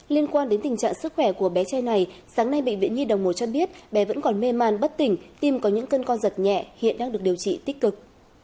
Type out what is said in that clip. liên quan đến tình trạng sức khỏe của bé trai này sáng nay bệnh viện nhi đồng một cho biết bé vẫn còn mê màn bất tỉnh tìm có những cơn co giật nhẹ hiện đang được điều trị tích cực